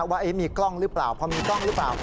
ว่ามีกล้องหรือเปล่าพอมีกล้องหรือเปล่า